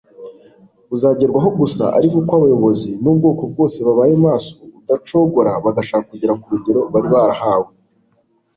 uzagerwaho gusa ari uko abayobozi n'ubwoko bwose babaye maso udacogora bagashaka kugera ku rugero bari barahawe